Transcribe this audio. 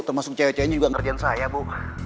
termasuk cewek ceweknya juga ngerjain saya bu